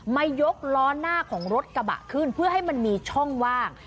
มายกล้อหน้าของรถกระบะขึ้นเพื่อให้มันมีช่องว่าง